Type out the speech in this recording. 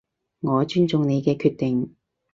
我尊重你嘅決定